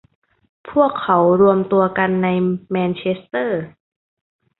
พวกเขารวมตัวกันในแมนเชสเตอร์